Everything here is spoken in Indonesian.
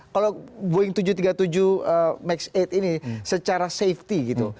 kalau boeing tujuh ratus tiga puluh tujuh max delapan ini secara safety gitu